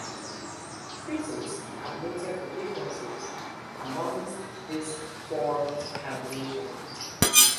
Critics have noted the differences amongst these four translations.